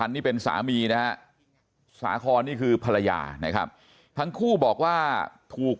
นี่เป็นสามีนะฮะสาคอนนี่คือภรรยานะครับทั้งคู่บอกว่าถูก